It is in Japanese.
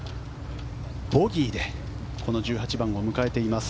ボギーでこの１８番を迎えています。